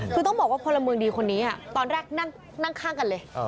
คือต้องบอกว่าพลเมืองดีคนนี้ตอนแรกนั่งข้างกันเลย